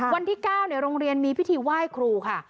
วันที่๙โรงเรียนมีพิธีไหว้ครูค่ะ